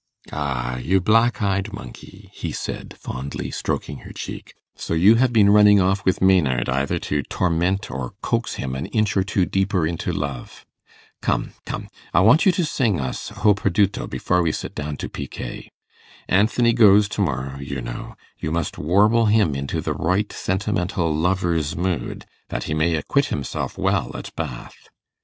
'Ah, you black eyed monkey,' he said, fondly stroking her cheek; 'so you have been running off with Maynard, either to torment or coax him an inch or two deeper into love. Come, come, I want you to sing us "Ho perduto" before we sit down to picquet. Anthony goes to morrow, you know; you must warble him into the right sentimental lover's mood, that he may acquit himself well at Bath.